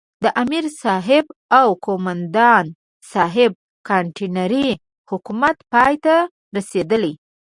د امرصاحب او قوماندان صاحب کانتينري حکومت پای ته رسېدلی.